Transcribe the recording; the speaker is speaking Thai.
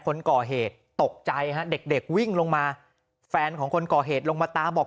คนก่อเหตุตกใจฮะเด็กวิ่งลงมาแฟนของคนก่อเหตุลงมาตามบอก